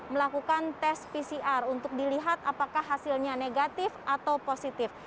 melakukan tes pcr untuk dilihat apakah hasilnya negatif atau positif